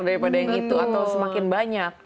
daripada yang itu atau semakin banyak